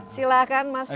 silahkan mas novi